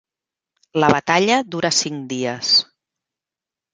La batalla dura cinc dies».